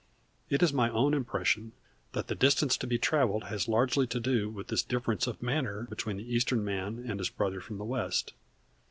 It is my own impression that the distance to be traveled has largely to do with this difference of manner between the Eastern man and his brother from the West.